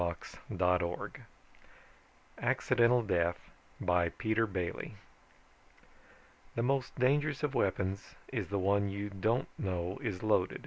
net ACCIDENTAL DEATH BY PETER BAILY _The most dangerous of weapons is the one you don't know is loaded.